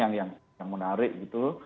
nah ini yang menarik gitu